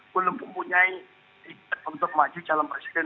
belum mempunyai tiket untuk maju calon presiden dua ribu sembilan belas